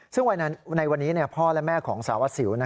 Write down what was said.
ซึ่งในวันนี้พ่อและแม่ของสารวัสสิว